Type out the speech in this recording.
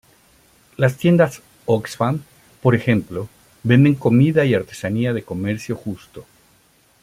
Las tiendas Oxfam, por ejemplo, venden comida y artesanía de comercio justo.